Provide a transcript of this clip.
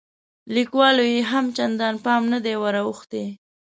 لیکوالو یې هم چندان پام نه دی وراوښتی.